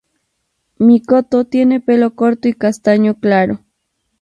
Mikoto tiene pelo corto y castaño claro.